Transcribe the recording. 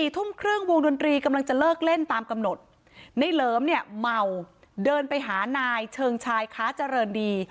ทุ่มครึ่งวงดนตรีกำลังจะเลิกเล่นตามกำหนดในเหลิมเนี่ยเมาเดินไปหานายเชิงชายค้าเจริญดี